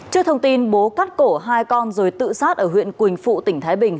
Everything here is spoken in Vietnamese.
trước thông tin bố cắt cổ hai con rồi tự sát ở huyện quỳnh phụ tỉnh thái bình